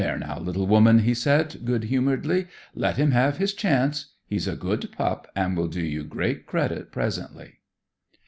"There, there, little woman," he said, good humouredly. "Let him have his chance; he's a good pup, and will do you great credit presently."